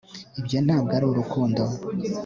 ibyo ntabwo ari urukundo